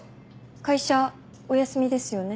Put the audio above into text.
会社お休みですよね？